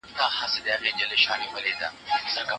ایا ته غواړې چي یو نوی هنر زده کړي؟